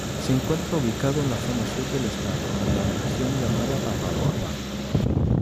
Se encuentra ubicado en la zona sur del estado en la región llamada Papaloapan.